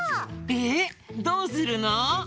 えっどうするの？